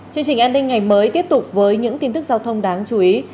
chương trình an ninh ngày mới tiếp tục với những tin tức giao thông đáng chú ý